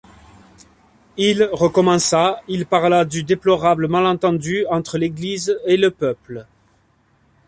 Il recommença, il parla du déplorable malentendu entre l’Église et le peuple.